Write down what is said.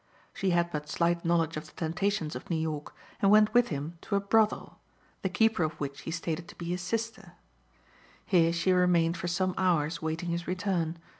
She had but slight knowledge of the temptations of New York, and went with him to a brothel, the keeper of which he stated to be his sister. Here she remained for some hours waiting his return.